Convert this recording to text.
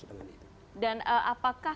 dan apakah kemungkinan